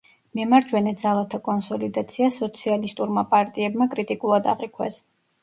მემარჯვენე ძალათა კონსოლიდაცია სოციალისტურმა პარტიებმა კრიტიკულად აღიქვეს.